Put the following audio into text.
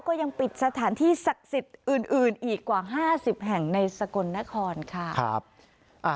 ก็ยังปิดสถานที่ศักดิ์สิทธิ์อื่นอีกกว่า๕๐แห่งในสกลนครค่ะ